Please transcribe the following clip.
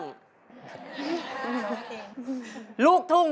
โดราเอมอน